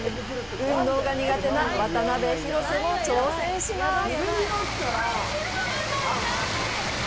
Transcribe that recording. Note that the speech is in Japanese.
運動が苦手な渡辺広瀬も挑戦します